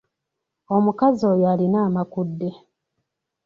Omukazi oyo alina amakudde.